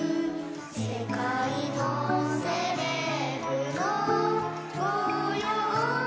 「世界のセレブの御用達」